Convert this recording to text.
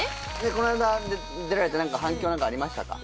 この間出られて何か反響なんかありましたか？